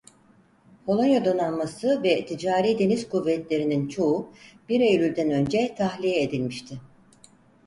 Polonya Donanması ve ticari deniz kuvvetlerinin çoğu bir Eylül'den önce tahliye edilmişti.